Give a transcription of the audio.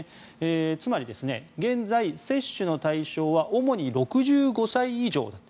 つまり現在、接種の対象は主に６５歳以上だと。